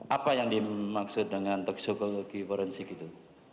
apa yang dimaksud dengan toksikologi forensik itu